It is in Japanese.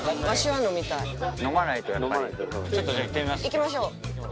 行きましょう。